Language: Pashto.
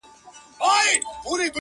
ورته ګوري به وارونه د لرګیو-